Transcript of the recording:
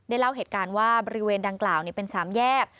เล่าเหตุการณ์ว่าบริเวณดังกล่าวเป็น๓แยก